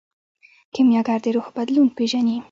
کیمیاګر د روح بدلون پیژني.